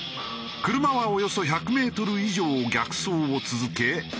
車はおよそ１００メートル以上逆走を続け